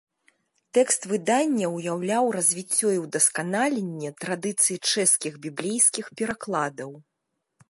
Тэкст выдання ўяўляў развіццё і ўдасканаленне традыцыі чэшскіх біблейскіх перакладаў.